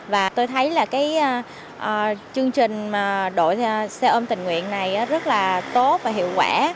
và tôi thấy là cái chương trình đội xe ôm tình nguyện này rất là tốt và hiệu quả